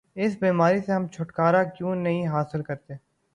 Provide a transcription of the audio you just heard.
اس بیماری سے ہم چھٹکارا کیوں نہیں حاصل کرتے؟